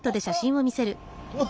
あっ！